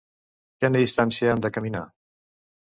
Quina distància han de caminar?